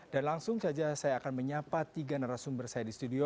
dan langsung saja saya akan menyapa tiga narasumber saya di studio